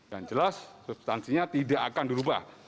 jelas substansinya tidak akan dirubah